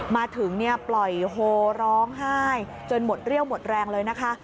มาถึงปล่อยโฮร้องไห้จนหมดเรี่ยวหมดแรงเลยนะคะ